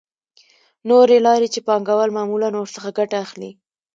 نورې لارې چې پانګوال معمولاً ورڅخه ګټه اخلي